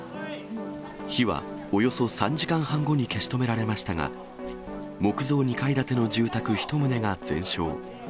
火はおよそ３時間半後に消し止められましたが、木造２階建ての住宅１棟が全焼。